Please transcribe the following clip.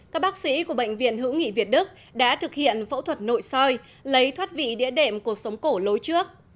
các bác sĩ của bệnh viện hữu nghị việt đức đã thực hiện phẫu thuật nội soi lấy thoát vị địa đệm cuộc sống cổ lối trước